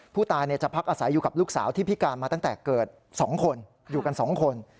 ผู้ตายจะพักอาศัยอยู่กับลูกสาวที่พิการมาตั้งแต่เกิด๒คนอยู่กัน๒คน